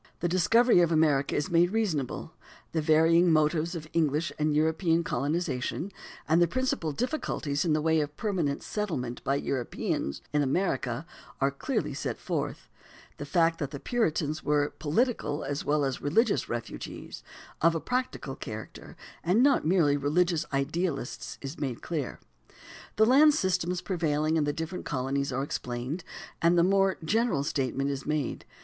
The discovery of America is made reasonable (pp. 1 10); the varying motives of English and European colonization, and the principal difficulties in the way of permanent settlement by Europeans in America are clearly set forth (pp. 30 40, 91); the fact that the Puritans were political as well as religious refugees, of a practical character, and not merely religious idealists, is made clear (pp. 53 55). The land systems prevailing in the different colonies are explained (pp. 43, 47, 52, et passim), and the more general statement is made (p.